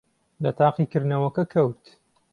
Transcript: لە تاقیکردنەوەکە کەوت.